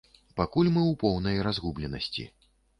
Пакуль мы ў поўнай разгубленасці.